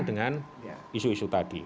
dengan isu isu tadi